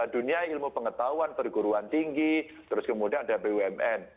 dunia ilmu pengetahuan perguruan tinggi terus kemudian ada bumn